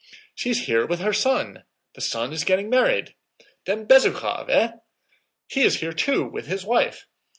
She's here with her son. The son is getting married! Then Bezúkhov, eh? He is here too, with his wife.